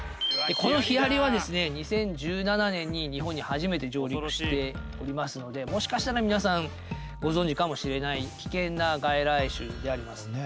このヒアリはですね２０１７年に日本に初めて上陸しておりますのでもしかしたら皆さんご存じかもしれない危険な外来種であります。